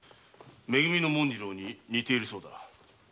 め組の紋次郎に似ているそうだ。